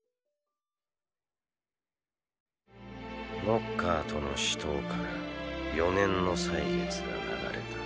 ノッカーとの死闘から４年の歳月が流れた。